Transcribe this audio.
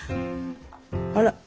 あら。